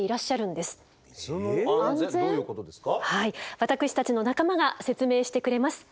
私たちの仲間が説明してくれます。